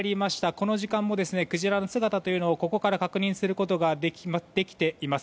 この時間もクジラの姿をここから確認することができています。